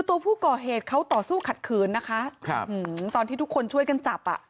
ตอนนี้ไขเกิดขนนี่หรอรึไง